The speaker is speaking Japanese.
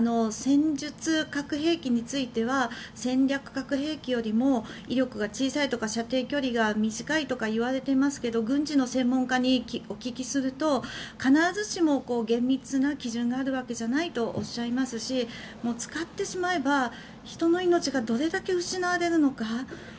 戦術核兵器については戦略核兵器よりも威力が小さいとか射程距離が短いとかいわれていますけど軍事の専門家にお聞きすると必ずしも厳密な基準があるわけじゃないとおっしゃいますし使ってしまえば人の命がどれだけ失われるのか